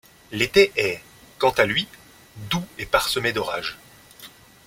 L'été est, quant à lui, doux et parsemé d'orages.